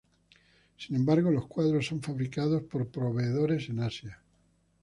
Sin embargo, los cuadros son fabricados por proveedores en Asia.